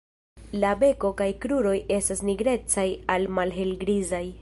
La beko kaj kruroj estas nigrecaj al malhelgrizaj.